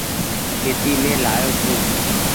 پيتي مين لآيو ڇون۔